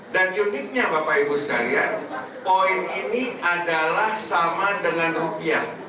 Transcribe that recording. uniknya bapak ibu sekalian poin ini adalah sama dengan rupiah